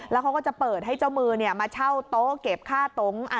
แล้วเขาก็จะเปิดให้เจ้ามือมาเช่าโต๊ะเก็บค่าตรง